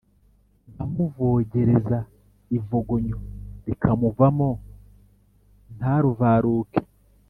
nkamuvogereza ivogonyo rikamuvamo ntaruvaruke